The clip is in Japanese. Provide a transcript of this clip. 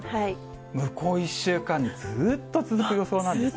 向こう１週間ずっと続く予想なんですね。